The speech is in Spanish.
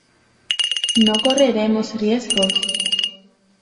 no correremos riesgos.